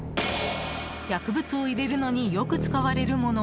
薬物を入れるのによく使われるもの。